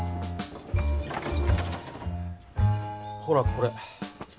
ほらこれ！